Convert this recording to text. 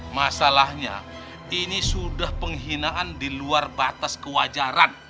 masalahnya ini sudah penghinaan di luar batas kewajaran